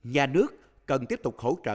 nhà nước cần tiếp tục hỗ trợ